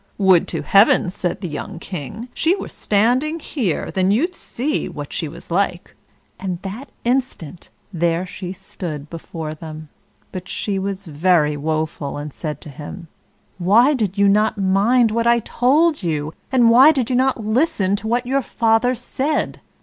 "Would to Heaven," said the young King, "she were standing here, then you'd see what she was like." And that instant there she stood before them. But she was very woeful, and said to him: "Why did you not mind what I told you; and why did you not listen to what your father said?